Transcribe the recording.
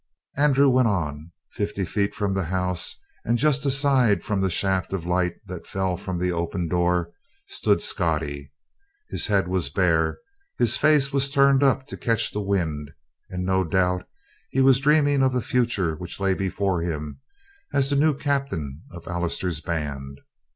Andrew went on; fifty feet from the house and just aside from the shaft of light that fell from the open door, stood Scottie. His head was bare, his face was turned up to catch the wind, and no doubt he was dreaming of the future which lay before him as the new captain of Allister's band.